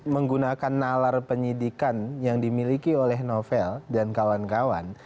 menggunakan nalar penyidikan yang dimiliki oleh novel dan kawan kawan